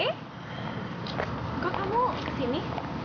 kok kamu kesini